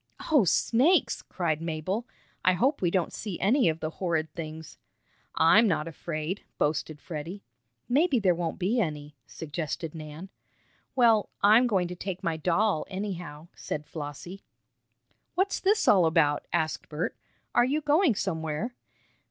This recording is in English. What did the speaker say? "Oh, snakes!" cried Mabel. "I hope we don't see any of the horrid things!" "I'm not afraid!" boasted Freddie. "Maybe there won't be any," suggested Nan. "Well, I'm going to take my doll, anyhow," said Flossie. "What's this all about?" asked Bert. "Are you going somewhere?"